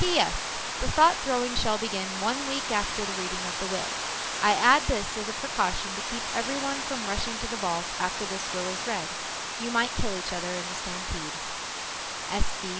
P.S. The thought throwing shall begin one week after the reading of the will. I add this as a precaution to keep everyone from rushing to the vault after this will is read. You might kill each other in the stampede.